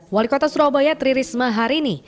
wali kota surabaya tri risma hari ini